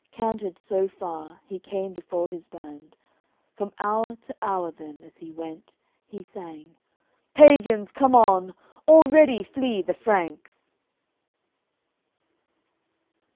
Cantered so far, he came before his band; From hour to hour then, as he went, he sang: "Pagans, come on: already flee the Franks!"